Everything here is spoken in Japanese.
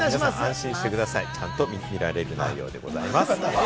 安心してください、ちゃんと見られる内容でございますから。